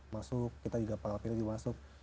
masuk kita juga pengalaman ini juga masuk